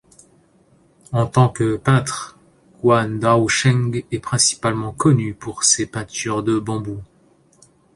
En tant que peintre, Guan Daosheng est principalement connue pour ses peintures de bambous.